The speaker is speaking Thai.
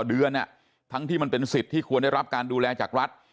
เดือนทั้งที่มันเป็นสิทธิ์ที่ควรได้รับการดูแลจากรัฐ